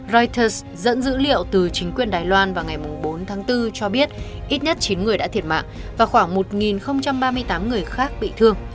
reuters dẫn dữ liệu từ chính quyền đài loan vào ngày bốn tháng bốn cho biết ít nhất chín người đã thiệt mạng và khoảng một ba mươi tám người khác bị thương